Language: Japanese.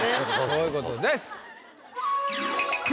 そういうことです。